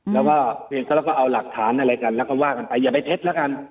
แล้วก็เอาหลักฐานอะไรกันแล้วก็ว่ากันไปอย่าไปเท็จแล้วกัน